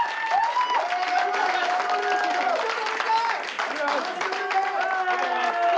ありがとうございます。